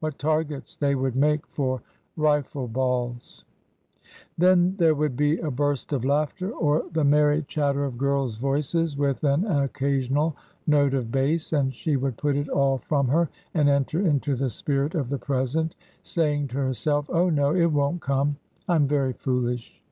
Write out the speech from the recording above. what targets they would make for rifle balls 1 Then there would be a burst of laughter or the merry chatter of girls' voices, with an occasional note of bass, and she would put it all from her and enter into the spirit of the present, saying to herself :'' Oh, no, it won't come ! I 'm very foolish